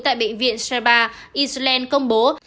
tại bệnh viện sheba iceland công bố